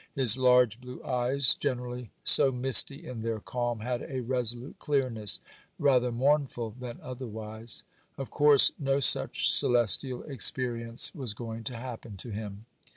His large blue eyes, generally so misty in their calm, had a resolute clearness, rather mournful than otherwise. Of course no such celestial experience was going to happen to him.